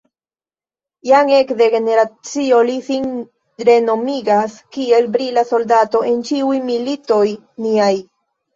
Jam ekde generacio li sin renomigas kiel brila soldato en ĉiuj militoj niaj.